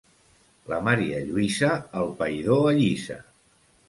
La marialluïsa el païdor allisa.